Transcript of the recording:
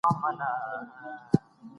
تعلیم د مطالعې تداوم ته اړتیا لري.